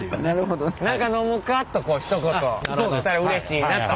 なるほどね。